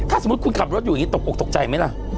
ถ้าสมมุติคุณขับรถอยู่อย่างนี้ตกออกตกใจไหมล่ะ